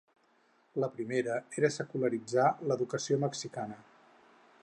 La primera era secularitzar l'educació mexicana.